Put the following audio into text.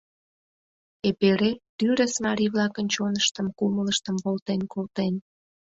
Эпере, тӱрыс марий-влакын чоныштым-кумылыштым волтен колтен.